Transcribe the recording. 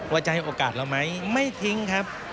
ว่าจะให้โอกาสเราไหมไม่ทิ้งครับ